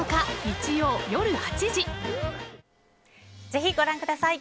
ぜひご覧ください。